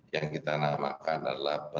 yang kita namakan adalah